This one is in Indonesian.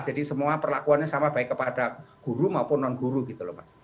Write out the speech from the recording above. jadi semua perlakuannya sama baik kepada guru maupun non guru gitu loh mas